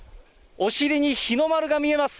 お尻に日の丸が見えます。